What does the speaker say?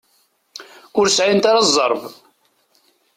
Ur sɛint ara zzerb.